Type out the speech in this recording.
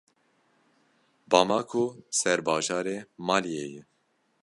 Bamako serbajarê Maliyê ye.